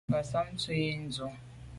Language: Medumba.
Ngassam ntshob yi ndù.